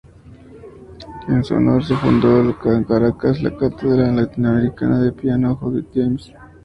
En su honor se fundó en Caracas la “Cátedra Latinoamericana de Piano Judith Jaimes".